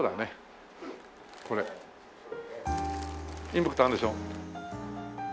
インパクトあるでしょ？